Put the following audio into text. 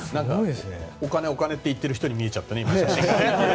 お金、お金って言っている人に見えちゃったね、写真が。